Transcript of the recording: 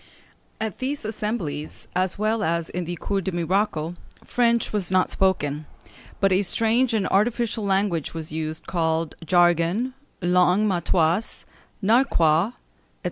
] At these assemblies, as well as in the Cours des Miracles, French was not spoken, but a strange and artificial language was used called jargon, langue matoise, narquois, &c.